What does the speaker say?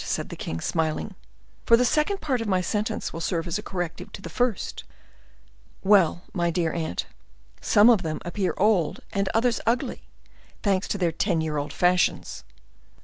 said the king, smiling; "for the second part of my sentence will serve as a corrective to the first. Well, my dear aunt, some of them appear old and others ugly, thanks to their ten year old fashions."